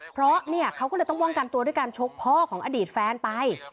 เพราะเนี่ยเขาก็เลยต้องป้องกันตัวด้วยการชกพ่อของอดีตแฟนไป